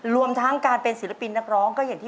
รวมทั้งการเป็นศิลปินนักร้อง